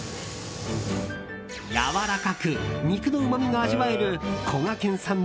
やわらかく肉のうまみが味わえるこがけんさん